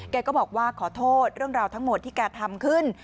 แกก็บอกว่าขอโทษเรื่องราวทั้งหมดที่แกทำขึ้น